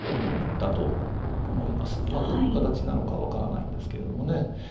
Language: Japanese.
まあどういう形なのか分からないんですけれどもね。